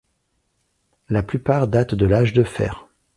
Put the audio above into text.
La plupart datent de l’âge du fer.